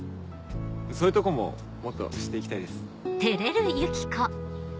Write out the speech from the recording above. そういうとこももっと知って行きたいです。